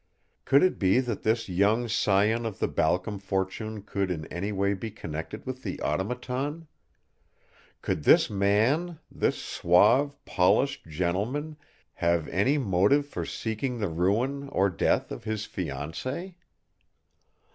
Could it be that this young scion of the Balcom fortune could in any way be connected with the Automaton? Could this man, this suave, polished gentleman, have any motive for seeking the ruin or death of his fiancée?